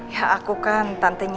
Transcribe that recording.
ya aku kan tante nisa aku inget sama nisa